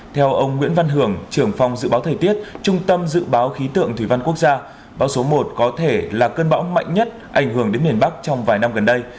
theo ông nguyễn văn hưởng trưởng phòng dự báo thời tiết trung tâm dự báo khí tượng thủy văn quốc gia bão số một có thể là cơn bão mạnh nhất ảnh hưởng đến miền bắc trong vài năm gần đây